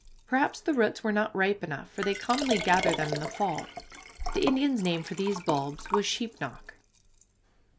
Perhaps the roots were not ripe enough, for they commonly gather them in the fall. The Indian's name for these bulbs was sheepnoc.